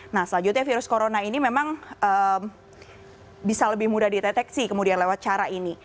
nah selanjutnya virus corona ini memang bisa lebih mudah diteteksi kemudian lewat cara ini